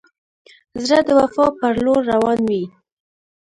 زړه د وفا پر لور روان وي.